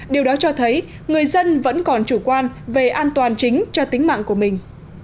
điều đó cho thấy người dân vẫn còn chủ quan về an toàn chính cho tính mạng của mình